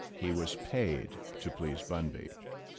He was paid to please Bunby.